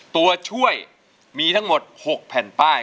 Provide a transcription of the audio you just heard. ตัวช่วยมีทั้งหมด๖แผ่นป้าย